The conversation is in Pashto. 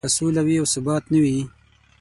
که سوله وي او ثبات نه وي.